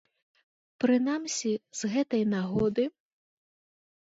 Прынамсі, з гэтай нагоды.